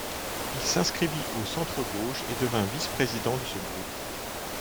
Il s'inscrivit au centre gauche et devint vice-président de ce groupe.